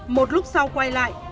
một lúc sau quay lại